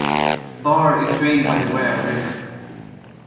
Barre is drained by the Ware River.